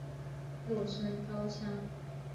又称高腔。